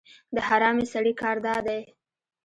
د حرامي سړي کار دا دی.